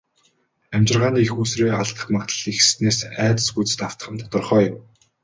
Амьжиргааны эх үүсвэрээ алдах магадлал ихэссэнээс айдас хүйдэст автах нь тодорхой юм.